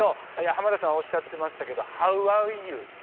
浜田さんおっしゃってましたけど「ハウアーユー」と。